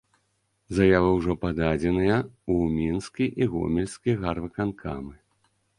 Заявы ўжо пададзеныя ў мінскі і гомельскі гарвыканкамы.